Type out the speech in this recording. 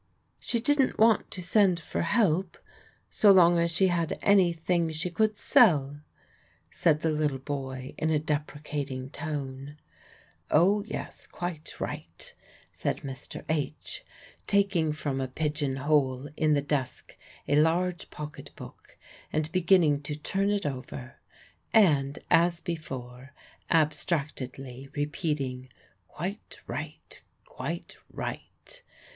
"She didn't want to send for help so long as she had any thing she could sell," said the little boy in a deprecating tone. "O, yes, quite right," said Mr. H., taking from a pigeon hole in the desk a large pocket book, and beginning to turn it over; and, as before, abstractedly repeating, "Quite right, quite right?"